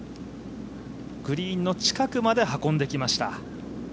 グリーンの近くまで運んできました。